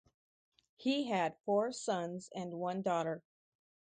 He had four sons and one daughter.